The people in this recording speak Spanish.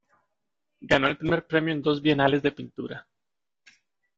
Ganó el Primer Premio en dos Bienales de Pintura.